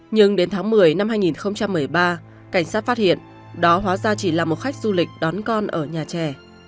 nhưng đến tháng một mươi năm hai nghìn một mươi ba cảnh sát phát hiện đó hóa ra chỉ là một khách du lịch đón con ở nhà trẻ